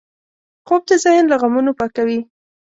خوب د ذهن له غمونو پاکوي